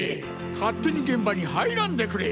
勝手に現場に入らんでくれ！